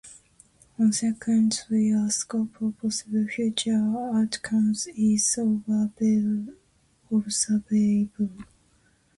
Consequently, a scope of possible future outcomes is observable.